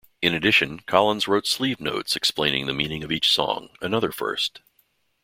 In addition, Collins wrote sleeve notes explaining the meaning of each song, another first.